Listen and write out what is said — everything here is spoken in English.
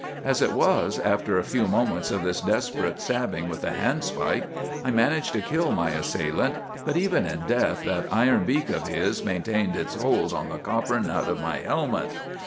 As it was, after a few moments of this desperate stabbing with the handspike, I managed to kill my assailant; but even in death that iron beak of his maintained its hold on the copper nut of my helmet.